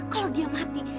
kalau dia mati